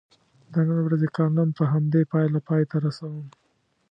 د نن ورځې کالم په همدې پایله پای ته رسوم.